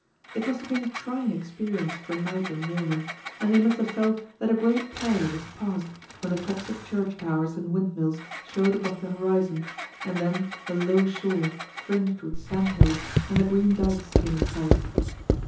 It must have been a trying experience for knight and yeoman, and they must have felt that a great peril was past when the tops of church towers and windmills showed above the horizon, and then the low shore fringed with sandhills and the green dykes came in sight.